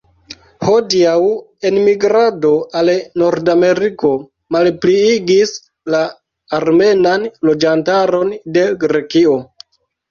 Hodiaŭ, enmigrado al Nordameriko malpliigis la armenan loĝantaron de Grekio.